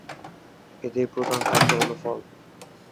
এদের প্রধান খাদ্য হল ফল।